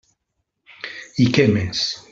I què més!